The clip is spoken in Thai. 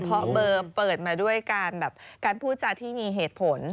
เพราะเบอร์เปิดมาด้วยการแบบการพูดจาที่มีเหตุผล